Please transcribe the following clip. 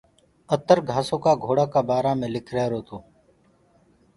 اتر گھآسو ڪآ گھوڙآ ڪآ بآرآ مي لکرهيرو تو۔